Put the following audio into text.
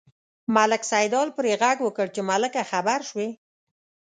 ملک سیدلال پرې غږ وکړ چې ملکه خبر شوې.